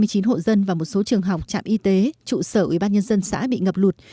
hai trăm hai mươi chín hộ dân và một số trường học trạm y tế trụ sở ủy ban nhân dân xã bị ngập lụt